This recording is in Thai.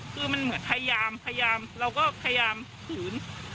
คือมันเหมือนพยายามพยายามเราก็พยายามขืน